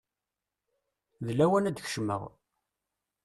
D lawan ad kecmeɣ.